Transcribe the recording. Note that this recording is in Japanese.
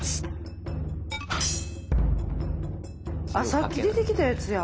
さっき出てきたやつや。